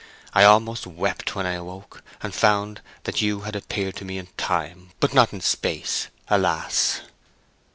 I almost wept when I awoke, and found that you had appeared to me in Time, but not in Space, alas!"